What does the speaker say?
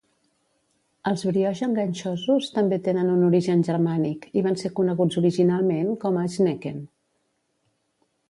Els brioix enganxosos també tenen un origen germànic i van ser coneguts originalment com a "Schnecken".